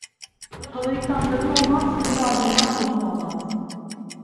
Halayıktan kadın olmaz, gül ağacından odun olmaz.